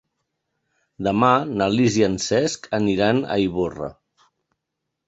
Demà na Lis i en Cesc aniran a Ivorra.